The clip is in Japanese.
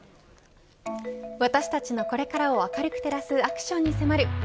私たちのこれからを明るく照らすアクションに迫る＃